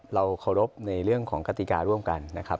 เราเคารพในเรื่องของกติการ่วมกันนะครับ